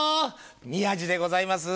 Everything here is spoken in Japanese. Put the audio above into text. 宮治でございます。